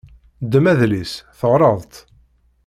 Ddem adlis, teɣreḍ-t!